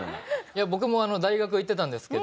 いや僕も大学は行ってたんですけど